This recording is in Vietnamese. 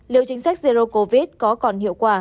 liệu chính sách zero covid có còn hiệu quả